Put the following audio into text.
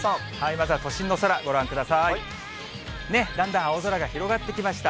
まずは都心の空、ご覧ください。ね、だんだん青空が広がってきました。